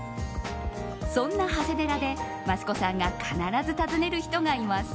そんな長谷寺で益子さんが必ず訪ねる人がいます。